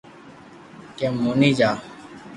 ڪي موني جا